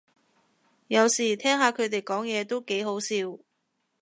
有時聽下佢哋講嘢都幾好笑